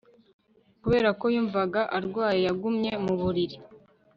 Kubera ko yumvaga arwaye yagumye mu buriri